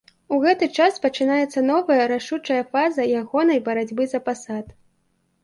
У гэты час пачынаецца новая рашучая фаза ягонай барацьбы за пасад.